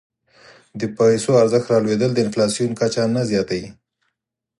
د پیسو ارزښت رالوېدل د انفلاسیون کچه نه زیاتوي.